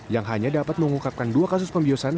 yang hanya dapat mengungkapkan dua kasus pembiasan